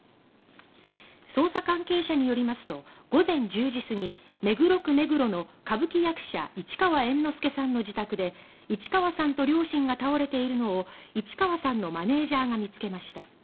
捜査関係者によりますと午前１０時すぎ目黒区目黒の歌舞伎役者・市川猿之助さんの自宅で市川さんと両親が倒れているのを市川さんのマネージャーが見つけました。